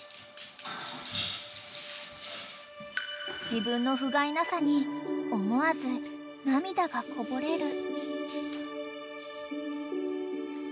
［自分のふがいなさに思わず涙がこぼれる］